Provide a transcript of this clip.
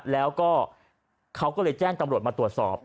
แล้วก็เขาก็เลยแจ้งตำรวจมาตรวจสอบ